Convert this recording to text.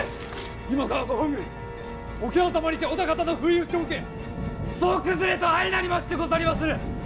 今川ご本軍桶狭間にて織田方の不意打ちを受け総崩れと相なりましてござりまする！